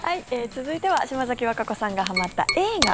続いては島崎和歌子さんがはまった映画。